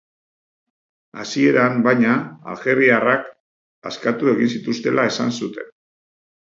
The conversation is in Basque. Hasieran, baina, aljeriarrak askatu egin zituztela esan zuten.